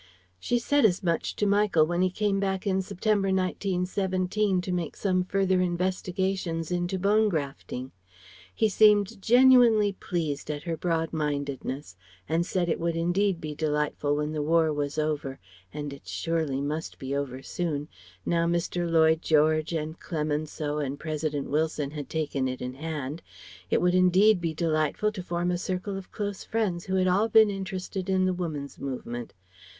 She said as much to Michael when he came back in September, 1917, to make some further investigations into bone grafting. He seemed genuinely pleased at her broad mindedness, and said it would indeed be delightful when the War was over and it surely must be over soon now Mr. Lloyd George and Clemenceau and President Wilson had taken it in hand it would indeed be delightful to form a circle of close friends who had all been interested in the Woman's Movement.